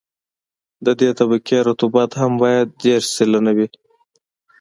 د دې طبقې رطوبت هم باید دېرش سلنه وي